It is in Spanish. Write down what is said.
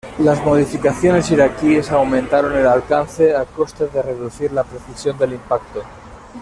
Las modificaciones iraquíes aumentaron el alcance, a costa de reducir la precisión del impacto.